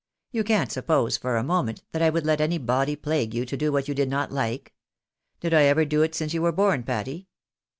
You can't suppose, for a moment, that I would let any body plague you to do what you did not like ? Did I ever do it since you were born, Patty